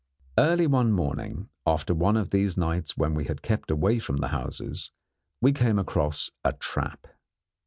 Early one morning, after one of these nights when we had kept away from the houses, we came across a trap.